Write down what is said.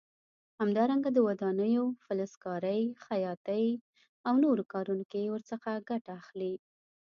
همدارنګه د ودانیو، فلزکارۍ، خیاطۍ او نورو کارونو کې ورڅخه ګټه اخلي.